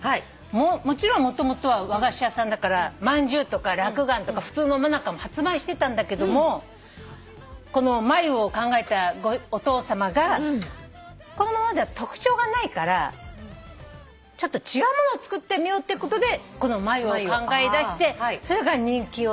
もちろんもともとは和菓子屋さんだからまんじゅうとからくがんとか普通のもなかも発売してたんだけどもこのまゆを考えたお父さまがこのままだと特徴がないからちょっと違うものを作ってみようってことでこのまゆを考えだしてそれが人気出て。